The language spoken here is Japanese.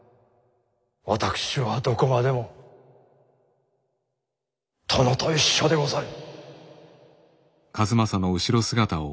私はどこまでも殿と一緒でござる。